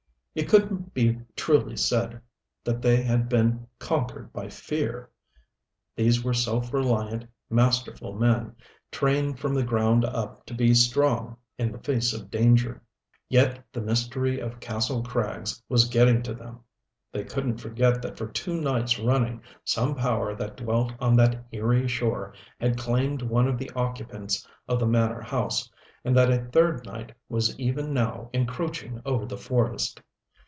It couldn't be truly said that they had been conquered by fear. These were self reliant, masterful men, trained from the ground up to be strong in the face of danger. Yet the mystery of Kastle Krags was getting to them. They couldn't forget that for two nights running some power that dwelt on that eerie shore had claimed one of the occupants of the manor house and that a third night was even now encroaching over the forest.